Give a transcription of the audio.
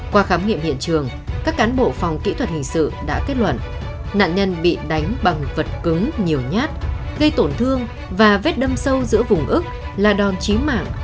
qua khám nghiệm hiện trường các cán bộ phòng kỹ thuật hình sự đã kết luận nạn nhân bị đánh bằng vật cứng nhiều nhát gây tổn thương và vết đâm sâu giữa vùng ức là đòn chí mạng